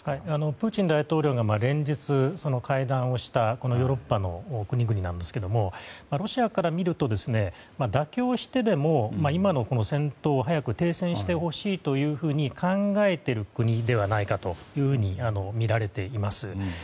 プーチン大統領が連日会談をしたヨーロッパの国々ですがロシアから見ると妥協してでも今の戦闘を早く停戦してほしいというふうに考えている国ではないかと見られています。